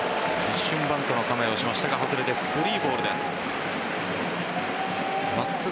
一瞬バントの構えをしましたが外れて３ボールです。